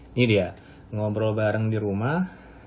ini dia ngobrol bareng di rumah